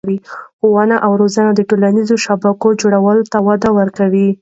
ښوونه او روزنه د ټولنیزو شبکو جوړولو ته وده ورکوي.